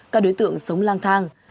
các đối tượng sống lang thang